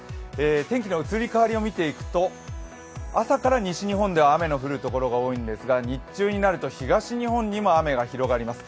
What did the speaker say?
天気の移り変わりを見ていくと朝から西日本では雨の降る所が多いんですが、日中になると東日本にも雨が広がります。